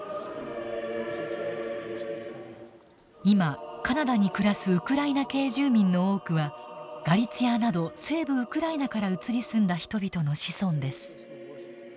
今カナダに暮らすウクライナ系住民の多くはガリツィアなど西部ウクライナから移り住んだ人々の子孫です。